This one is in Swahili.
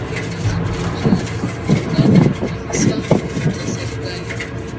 inakusanya riba za mauzo yanayotokana na hisa za serikali